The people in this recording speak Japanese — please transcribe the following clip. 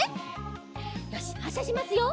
よしはっしゃしますよ。